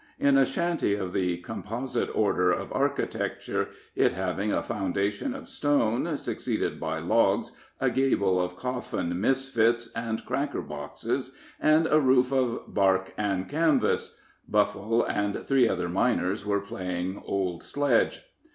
In a shanty of the composite order of architecture it having a foundation of stone, succeeded by logs, a gable of coffin misfits and cracker boxes, and a roof of bark and canvas Buffle and three other miners were playing "old sledge."